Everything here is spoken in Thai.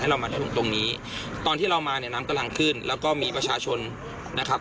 เรามาถึงตรงนี้ตอนที่เรามาเนี่ยน้ำกำลังขึ้นแล้วก็มีประชาชนนะครับ